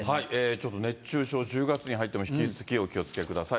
ちょっと熱中症、１０月に入っても引き続きお気をつけください。